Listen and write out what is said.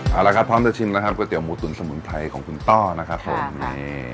เอาละครับพร้อมจะชิมนะครับก๋วเตี๋หมูตุ๋นสมุนไพรของคุณต้อนะครับผมนี่